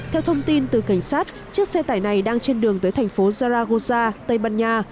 theo thông tin từ cảnh sát chiếc xe tải này đang trên đường tới thành phố zaragoza tây ban nha